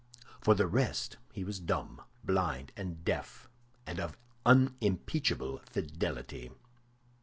For the rest, he was dumb, blind, and deaf, and of unimpeachable fidelity.